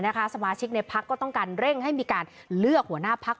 สมาชิกในพักก็ต้องการเร่งให้มีการเลือกหัวหน้าพัก